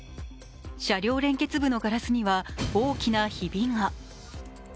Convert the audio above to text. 車両連結部のガラスには大きなひびが。